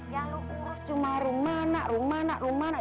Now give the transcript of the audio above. yang lu urus cuma rumah anak rumah anak rumah anak